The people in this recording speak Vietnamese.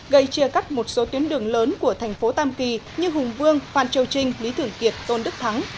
gây chia cắt một số tuyến đường lớn của thành phố tam kỳ như hùng vương phan châu trinh lý thường kiệt tôn đức thắng